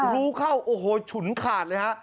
รู้เข้าโอ้โหฉุนขาดเลยฮะ